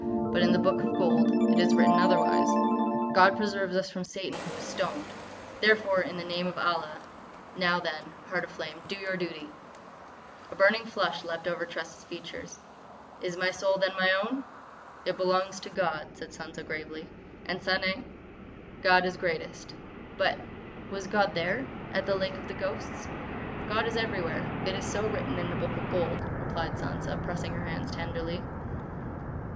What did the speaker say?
But in the Book of Gold it is written otherwise: 'God preserve us from Satan who was stoned!' ... Therefore, in the name of Allah! Now then, Heart of Flame, do your duty!" A burning flush leaped over Tressa's features. "Is my soul, then, my own!" "It belongs to God," said Sansa gravely. "And—Sanang?" "God is greatest." "But—was God there—at the Lake of the Ghosts?" "God is everywhere. It is so written in the Book of Gold," replied Sansa, pressing her hands tenderly.